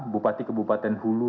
bupati kebupaten hulu